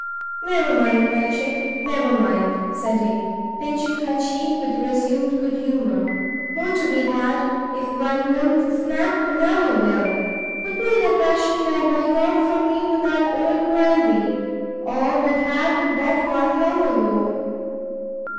"Never mind, my chick, never mind," said he, pinching her cheek, with resumed good humour, "more to be had; if one won't snap, another will; put me in a passion by going off from me with that old grandee, or would have got one long ago.